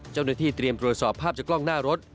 เจ้าหน้าที่เตรียมตรวจสอบภาพจากกล้องหน้ารถ